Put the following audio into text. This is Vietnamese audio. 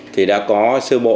thì đã có sơ bộ